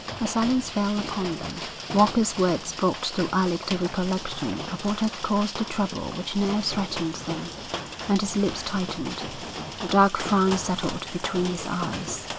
A silence fell upon them. Walker's words brought to Alec the recollection of what had caused the trouble which now threatened them, and his lips tightened. A dark frown settled between his eyes.